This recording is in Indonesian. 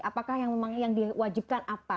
apakah yang diwajibkan apa